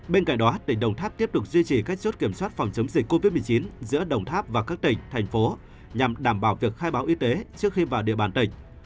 bên cạnh đó tỉnh đồng tháp tiếp tục duy trì các chốt kiểm soát phòng chống dịch covid một mươi chín giữa đồng tháp và các tỉnh thành phố nhằm đảm bảo việc khai báo y tế trước khi vào địa bàn tỉnh